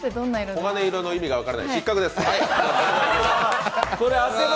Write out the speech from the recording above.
黄金色の意味が分からない、失格です。